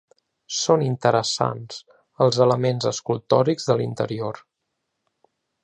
Són interessants els elements escultòrics de l'interior.